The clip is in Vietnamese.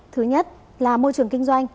thứ nhất là môi trường kinh doanh